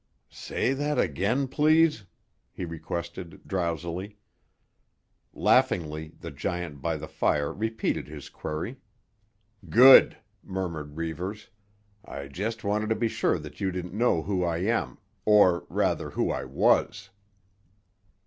"Say that again, please," he requested drowsily. Laughingly the giant by the fire repeated his query. "Good!" murmured Reivers. "I just wanted to be sure that you didn't know who I am—or, rather, who I was?"